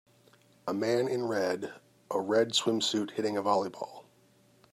A man in red a red swimsuit hitting a volleyball